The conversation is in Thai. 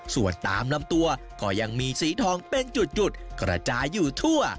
ส่วนตามลำตัวก็ยังมีสีทองเป็นจุดกระจายอยู่ทั่ว